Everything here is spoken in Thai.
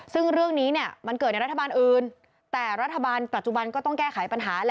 ซึ่งเรื่องนี้เนี่ยมันเกิดในรัฐบาลอื่นแต่รัฐบาลปัจจุบันก็ต้องแก้ไขปัญหา